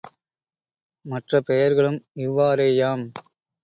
மற்ற பெயர்களும் இவ்வாறேயாம்.